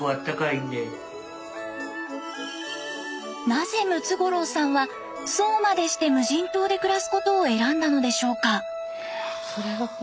なぜムツゴロウさんはそうまでして無人島で暮らすことを選んだのでしょうか？